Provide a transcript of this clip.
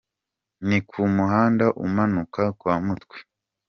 Ni ku muhanda umanuka kwa Mutwe.